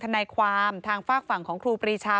ทนายความทางฝากฝั่งของครูปรีชา